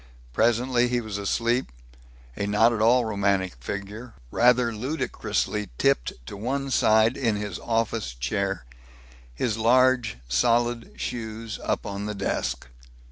Presently he was asleep, a not at all romantic figure, rather ludicrously tipped to one side in his office chair, his large solid shoes up on the desk.